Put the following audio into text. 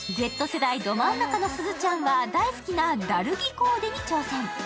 Ｚ世代ど真ん中のすずちゃんは大好きなダル着コーデに挑戦。